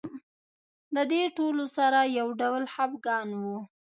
د دې ټولو سره یو ډول خپګان و.